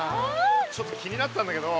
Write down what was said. ちょっと気になってたんだけど。